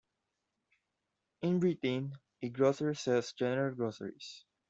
In Britain, a grocer sells general groceries